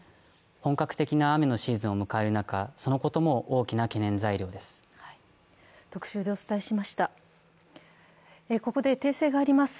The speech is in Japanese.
本格的な雨のシーズンを迎える中、そのことも大きな懸念材料です。